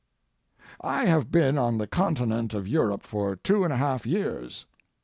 I have been on the continent of Europe for two and a half years.